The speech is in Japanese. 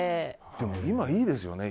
でも今、いいですよね。